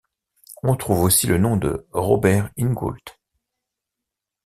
On trouve aussi le nom de Robert Ingoult.